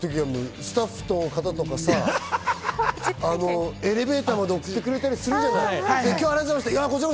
スタッフの方とかさ、エレベーターまで送ってくれたりするじゃない。